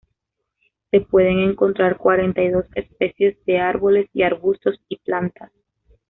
Se pueden encontrar cuarenta y dos especies de árboles y arbustos y plantas.